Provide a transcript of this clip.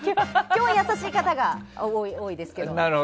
基本、優しい方が多いですけど。